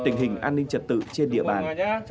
tình hình an ninh trật tự trên địa bàn